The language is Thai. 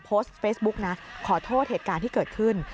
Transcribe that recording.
โพสต์เฟซบุ๊กนะขอโทษเหตุการณ์ที่เกิดขึ้น